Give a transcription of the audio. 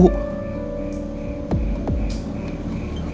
kok salah apa sih sama lo michi sebenarnya